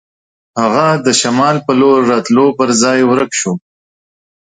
هغه د شمال په لور راتلو پر ځای ورک شو.